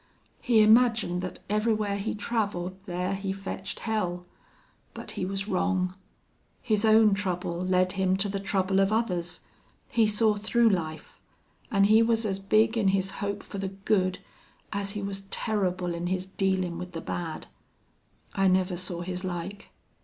He imagined thet everywhere he traveled there he fetched hell. But he was wrong. His own trouble led him to the trouble of others. He saw through life. An' he was as big in his hope fer the good as he was terrible in his dealin' with the bad. I never saw his like....